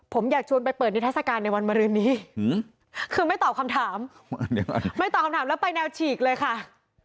ผมอยากชวนไปเปิดนิทัศกาลในวันมรืนนี้คือไม่ตอบคำถามไม่ตอบคำถามแล้วไปแนวฉีกเลยค่ะ